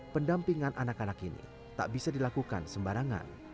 pendampingan anak anak ini tak bisa dilakukan sembarangan